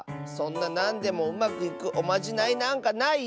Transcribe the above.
そんななんでもうまくいくおまじないなんかないよ。